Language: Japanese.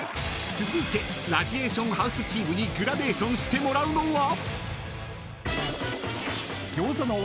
［続いてラジエーションハウスチームにグラデーションしてもらうのは］